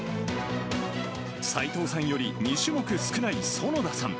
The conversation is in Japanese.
齋藤さんより２種目少ない園田さん。